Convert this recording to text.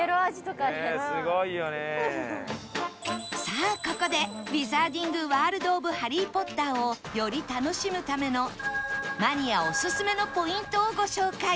さあここでウィザーディング・ワールド・オブ・ハリー・ポッターをより楽しむためのマニアおすすめのポイントをご紹介